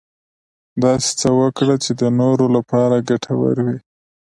داسې څه وکړه چې د نورو لپاره ګټور وي .